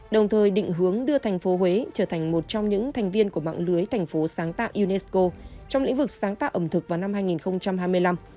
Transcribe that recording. đồng thời định hướng đưa tp huế trở thành một trong những thành viên của mạng lưới tp sáng tạo unesco trong lĩnh vực sáng tạo ẩm thực vào năm hai nghìn hai mươi năm